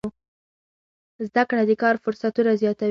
زده کړه د کار فرصتونه زیاتوي.